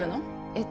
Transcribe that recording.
えっ？